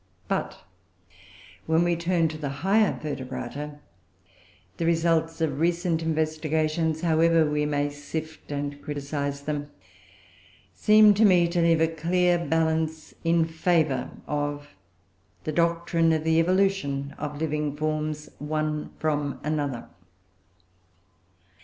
But when we turn to the higher Vertebrata, the results of recent investigations, however we may sift and criticise them, seem to me to leave a clear balance in favour of the doctrine of the evolution of living forms one from another.